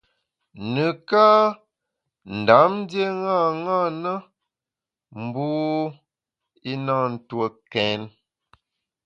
Nekâ Ndam ndié ṅaṅâ na, mbu i na ntue kèn.